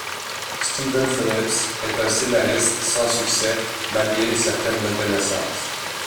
Steven Phillips est un scénariste sans succès, malgré une certaine reconnaissance.